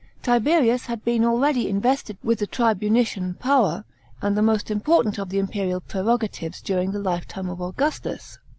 Tiberius had been already invested with the tribunicinn power and the most important of the imperial prerogatives during the lifetime >f Augustus.